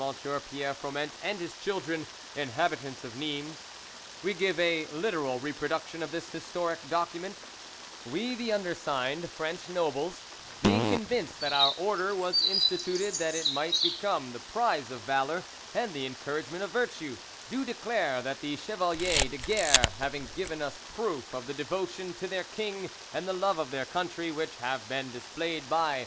Pierre Froment and his children, inhabitants of Nimes. We give a literal reproduction of this historic document: "We the undersigned, French nobles, being convinced that our Order was instituted that it might become the prize of valour and the encouragement of virtue, do declare that the Chevalier de Guer having given us proof of the devotion to their king and the love of their country which have been displayed by M.